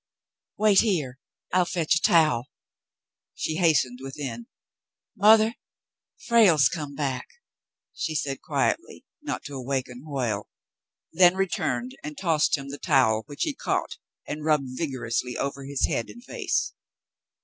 "Wait here. I'll fetch a towel." She hastened within. "Mother, Frale's come back," she said quietly, not to awaken Hoyle ; then returned and tossed him the towel which he caught and rubbed vigorously over his head and face.